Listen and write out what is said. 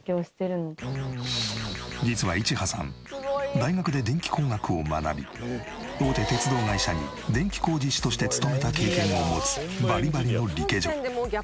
実はいちはさん大学で電気工学を学び大手鉄道会社に電気工事士として勤めた経験を持つバリバリのリケジョ。